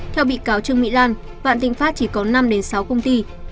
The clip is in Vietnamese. theo bị cáo trương mỹ lan vạn thịnh pháp chỉ có năm sáu công ty